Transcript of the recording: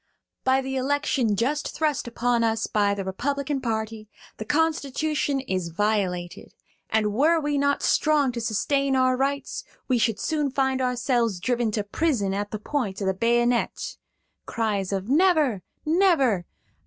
"By the election just thrust upon us by the Republican party the Constitution is violated; and were we not strong to sustain our rights, we should soon find ourselves driven to prison at the point of the bayonet (cries of 'Never, never!')